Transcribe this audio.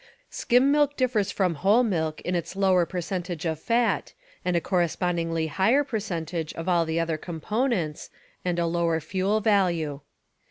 Skim milk differs from whole milk in its lower percentage of fat, and a correspondingly higher percentage of all the other components, and a lower fuel value.